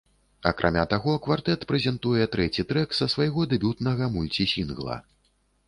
Акрамя таго, квартэт прэзентуе трэці трэк са свайго дэбютнага мульці-сінгла.